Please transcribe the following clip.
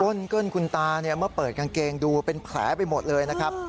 ้นเกิ้ลคุณตาเนี่ยเมื่อเปิดกางเกงดูเป็นแผลไปหมดเลยนะครับ